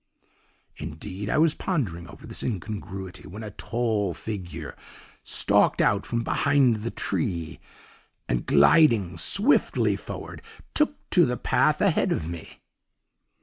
"'Indeed, I was pondering over this incongruity when a tall figure stalked out from behind the tree, and, gliding swiftly forward, took to the path ahead of me.